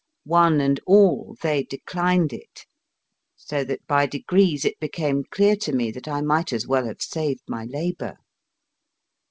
One and all they de clined it, so that by degrees it became clear to me that I might as well have saved my labour.